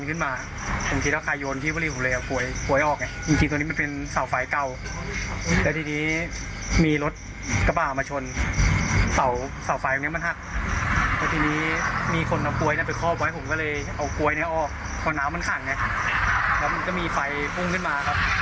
เอากล้วยนี้ออกเพราะน้ำมันขังแล้วมันก็มีไฟพุ่งขึ้นมาครับ